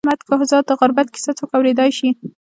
د علي احمد کهزاد د غربت کیسه څوک اورېدای شي.